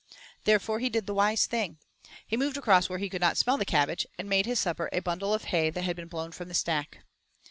Therefore he did the wise thing. He moved across where he could not smell the cabbage and made his supper of a bundle of hay that had been blown from the stack.